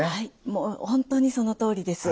もう本当にそのとおりです。